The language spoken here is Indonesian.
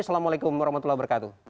assalamualaikum wr wb